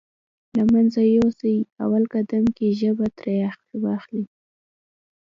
له منځه يوسې اول قدم کې ژبه ترې واخلئ.